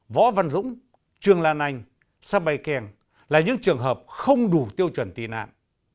võ văn dũng trương lan anh sao pai khen là những trường hợp không đủ tiêu chuẩn tị nạn